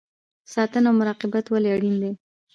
ساتنه او مراقبت ولې اړین دی؟